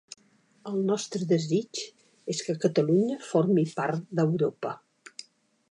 El nostre desig és que Catalunya formi part d'Europa.